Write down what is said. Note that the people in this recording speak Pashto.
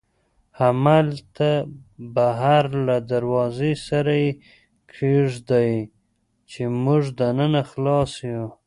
همالته بهر له دروازې سره یې کېږدئ، چې موږ دننه خلاص یو.